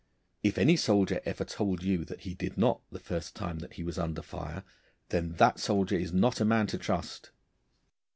If any soldier ever told you that he did not the first time that he was under fire, then that soldier is not a man to trust.